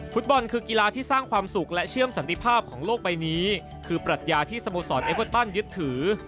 ฟุตบอลคือกีฬาที่สร้างความสุขและเชื่อมสันติภาพของโลกใบนี้คือปรัชญาที่สโมสรเอเวอร์ตันยึดถือ